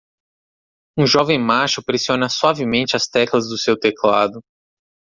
Um jovem macho pressiona suavemente as teclas do seu teclado.